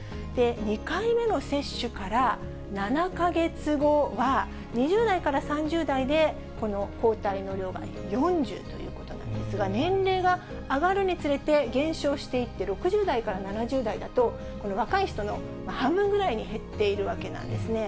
２回目の接種から７か月後は、２０代から３０代でこの抗体の量が４０ということなんですが、年齢が上がるにつれて減少していって、６０代から７０代だと、若い人の半分ぐらいに減っているわけなんですね。